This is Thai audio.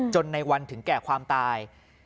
ในวันถึงแก่ความตาย